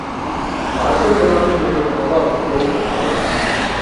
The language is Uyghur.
ھاشىم بۇلارنىڭ گېپىنى ئاڭلاپ ئويلىنىپ قالىدۇ.